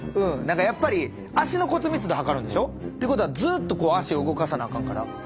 何かやっぱり足の骨密度測るんでしょ？ということはずっと足を動かさなあかんから。